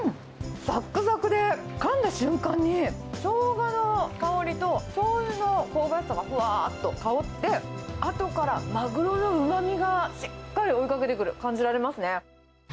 さっくさくでかんだ瞬間に、ショウガの香りとしょうゆの香ばしさがふわーっと香って、あとからマグロのうまみがしっかり追いかけてくる、感じられますね。